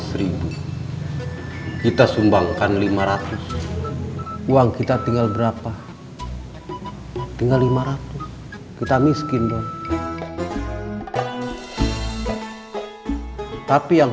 seribu kita sumbangkan lima ratus uang kita tinggal berapa tinggal lima ratus kita miskin dong tapi yang